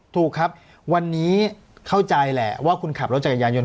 ถูกครับวันนี้เข้าใจแหละว่าคุณขับรถจักรยานยนต